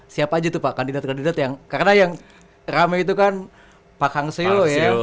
siapa aja tuh pak kandidat kandidat yang karena yang rame itu kan pakang seo ya